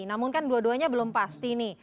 namun kan dua duanya belum pasti nih